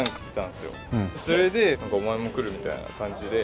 それで「お前も来る？」みたいな感じで。